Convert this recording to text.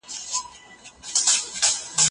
ایا ستا مقاله په کومه غونډه کي لوستل سوي ده؟